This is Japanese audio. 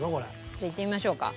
じゃあいってみましょうか。